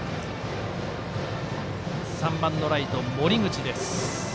３番のライト、森口です。